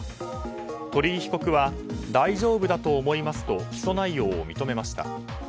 鳥井被告は大丈夫だと思いますと起訴内容を認めました。